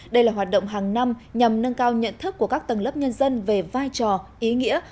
đây là hoạt động hàng năm nhằm nâng cao nhận thức của các tầng lớp nhân dân về vai trò ý nghĩa